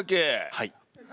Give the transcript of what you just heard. はい。